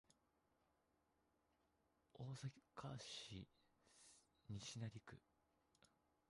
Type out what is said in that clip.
大阪市西成区